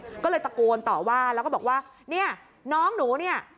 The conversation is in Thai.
ก็เลยตะโกนต่อว่าแล้วก็บอกว่าเนี่ยน้องหนูเนี่ย